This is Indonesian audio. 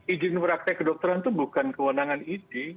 ijin meraktek kedokteran itu bukan kewenangan idi